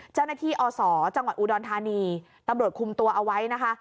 อศจังหวัดอุดรธานีตำรวจคุมตัวเอาไว้นะคะ